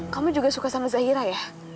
kamu juga suka sama zahira ya